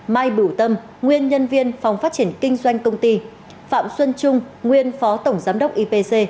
mai bửu tâm nguyên nhân viên phòng phát triển kinh doanh công ty phạm xuân trung nguyên phó tổng giám đốc ipc